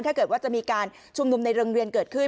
ถ้าเกิดว่าจะมีการชุมนุมในโรงเรียนเกิดขึ้น